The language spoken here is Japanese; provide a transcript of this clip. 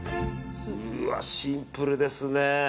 うわ、シンプルですね。